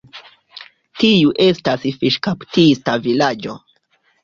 Tiu estas fiŝkaptista vilaĝo.